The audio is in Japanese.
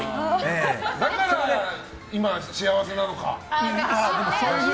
だから今、幸せなのか。